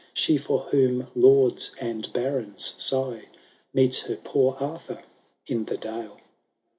She for whom lords and barons sigh. Meets her poor Arthur in the dale.